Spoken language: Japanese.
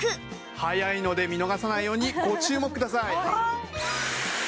速いので見逃さないようにご注目ください。